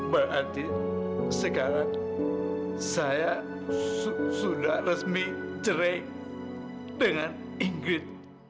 berarti sekarang saya sudah resmi cerai dengan ingrid